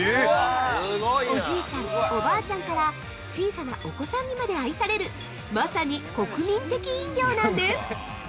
おじいちゃん、おばあちゃんから、小さなお子さんにまで愛される、まさに国民的飲料なんです。